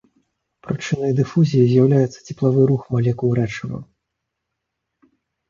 Прычынай дыфузіі з'яўляецца цеплавы рух малекул рэчываў.